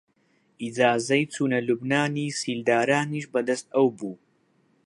ئیجازەی چوونە لوبنانی سیلدارانیش بە دەست ئەو بوو